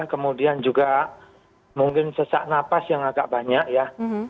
kemudian juga mungkin sesak napas yang agak banyak ya